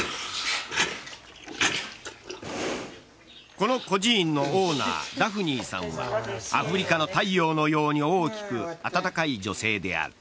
この孤児院のオーナーダフニーさんはアフリカの太陽のように大きく温かい女性である。